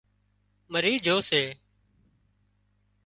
مرِي جھو سي